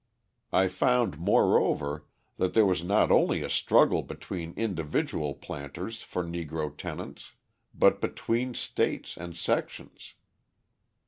I found, moreover, that there was not only a struggle between individual planters for Negro tenants, but between states and sections.